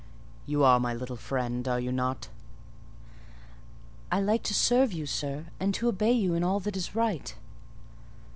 You are my little friend, are you not?" "I like to serve you, sir, and to obey you in all that is right."